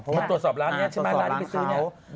เขาตรวจสอบร้านนี้ใช่ไหมร้านที่ไปซื้อนี่ตรวจสอบร้านเขา